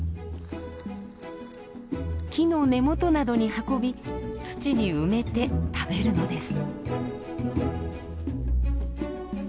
木の根元などに運び土に埋めて食べるのです。